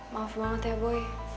maaf banget ya boy